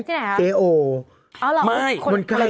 ที่ไหนครับ